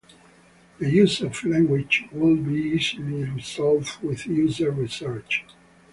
The use of language would be easily resolved with user research.